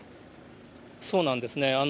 そうなんですね。